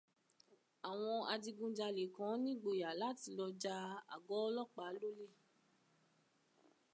Àwọn adigunjalè kan nígboyà láti lọ ja àgọ́ ọ́lọ́pàá lólè.